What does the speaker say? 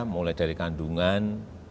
mulai dari kandungan